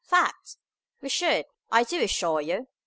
Fact! We should, I do assure you."